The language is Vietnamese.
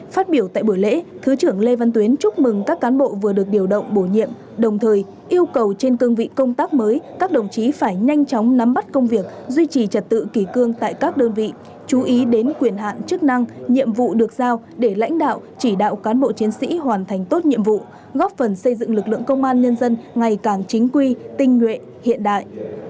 phát biểu tại buổi lễ thứ trưởng lê văn tuyến chúc mừng các cán bộ vừa được điều động bộ nhiệm đồng thời yêu cầu trên cương vị công tác mới các đồng chí phải nhanh chóng nắm bắt công việc duy trì trật tự kỳ cương tại các đơn vị chú ý đến quyền hạn chức năng nhiệm vụ được giao để lãnh đạo chỉ đạo cán bộ chiến sĩ hoàn thành tốt nhiệm vụ góp phần xây dựng lực lượng công an nhân dân ngày càng chính quy tinh nguyện hiện đại